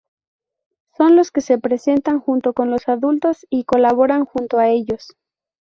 Son los que se presentan junto con los adultos y colaboran junto a ellos.